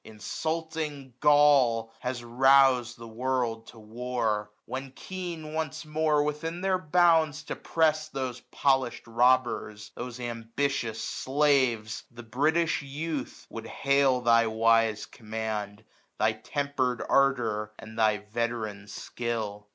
Insulting Gaul, has rous*d the world to war; 1075 When keen, once more, within their bounds to press Those polish*d robbers, those ambitious slaves. The British Youth would hail thy wise command. Thy temper*d ardour and thy vet*ran skill.